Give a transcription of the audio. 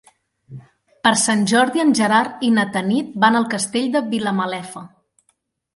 Per Sant Jordi en Gerard i na Tanit van al Castell de Vilamalefa.